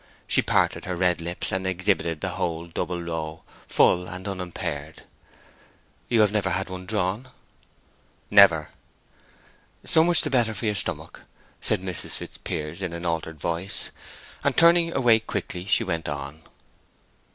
She parted her red lips, and exhibited the whole double row, full up and unimpaired. "You have never had one drawn?" "Never." "So much the better for your stomach," said Mrs. Fitzpiers, in an altered voice. And turning away quickly, she went on.